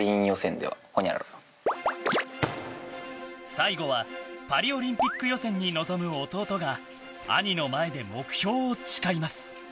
最後はパリオリンピック予選に臨む弟が兄の前で目標を誓います。